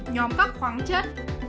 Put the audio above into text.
nhóm các khoáng chất